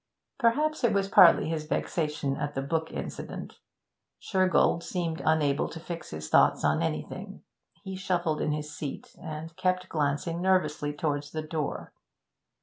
Perhaps it was partly his vexation at the book incident, Shergold seemed unable to fix his thoughts on anything; he shuffled in his seat and kept glancing nervously towards the door.